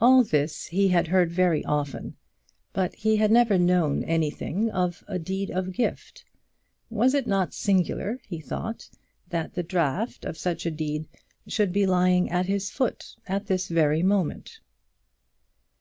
All this he had heard very often, but he had never known anything of a deed of gift. Was it not singular, he thought, that the draft of such a deed should be lying at his foot at this moment.